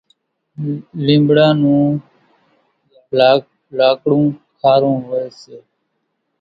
لينٻڙا نون لاڪڙون کارون هوئيَ سي۔